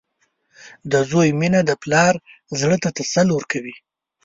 • د زوی مینه د پلار زړۀ ته تسل ورکوي.